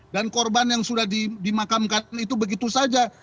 korban yang sudah dimakamkan itu begitu saja